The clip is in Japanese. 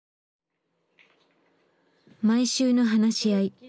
毎週の話し合い。